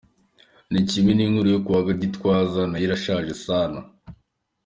Nikimwe ninkuru yo kwa Gitwaza, nayo irashaje sana.